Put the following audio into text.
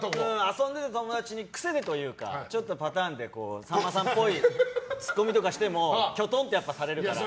遊んでた友達に癖でというかちょっとパターンでさんまさんっぽいツッコミとかしてもきょとんとされちゃうから。